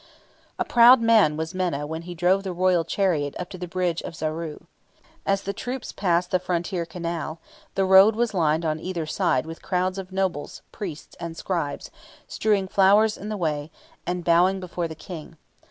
A proud man was Menna when he drove the royal chariot up to the bridge of Zaru. As the troops passed the frontier canal the road was lined on either side with crowds of nobles, priests, and scribes, strewing flowers in the way, and bowing before the King.